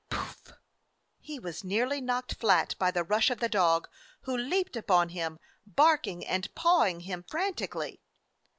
Pouf! He was nearly knocked flat by the rush of the dog, who leaped upon him, bark ing and pawing him frantically.